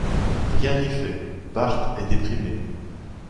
Rien n'y fait, Bart est déprimé.